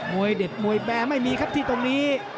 วยเด็ดมวยแบร์ไม่มีครับที่ตรงนี้